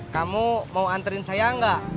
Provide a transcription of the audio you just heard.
kamu mau anterin saya enggak